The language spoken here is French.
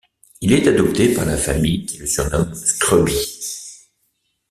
Il est adopté par la famille qui le surnomme Scrubby.